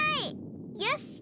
よし！